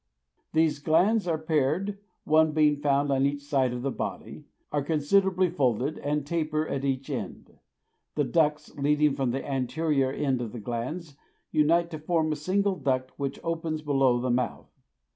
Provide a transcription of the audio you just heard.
These glands are paired, one being found on each side of the body, are considerably folded and taper at each end. The ducts leading from the anterior end of the glands unite to form a single duct which opens below the mouth.